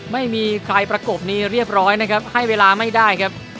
ไม่มีใครประกบนี้เรียบร้อยนะครับให้เวลาไม่ได้ครับ